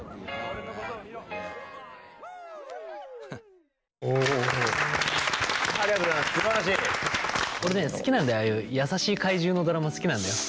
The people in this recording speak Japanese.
俺ね好きなんだよああいう優しい怪獣のドラマ好きなんだよ。